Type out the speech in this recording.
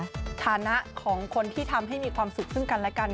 ฐานะของคนที่ทำให้มีความสุขซึ่งกันและกัน